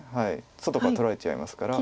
外から取られちゃいますから。